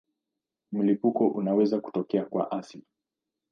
Mlipuko unaweza kutokea kwa asili.